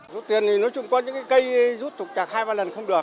rút tiền thì nói chung có những cây rút thục trạc hai ba lần không được